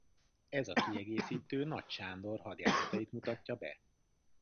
Ez a kiegészítő Nagy Sándor hadjáratait mutatja be.